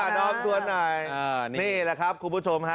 น้องตัวหน่อยนี่แหละครับคุณผู้ชมค่ะ